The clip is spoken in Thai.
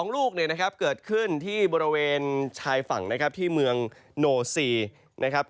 ๑๒ลูกเกิดขึ้นที่บริเวณชายฝั่งที่เมืองโนซี